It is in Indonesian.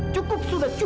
cukup sudah cukup